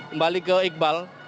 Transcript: kembali ke iqbal